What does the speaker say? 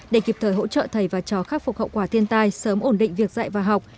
để kịp thời hỗ trợ thầy và chó khắc phục hậu quả thiên tai sớm ổn định việc dạy và học